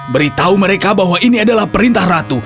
beritahu mereka bahwa ini adalah perintah ratu